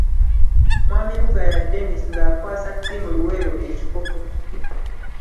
Mwami Bugaya Denis ng’akwasa ttiimu Luweero ekikopo.